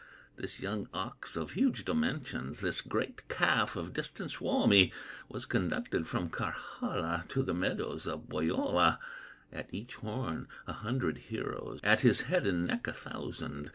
This young ox of huge dimensions, This great calf of distant Suomi, Was conducted from Karjala To the meadows of Pohyola; At each horn a hundred heroes, At his head and neck a thousand.